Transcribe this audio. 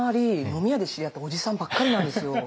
飲み屋で知り合ったおじさんばっかりなんですよ。